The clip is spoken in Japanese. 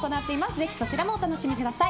ぜひそちらもお楽しみください。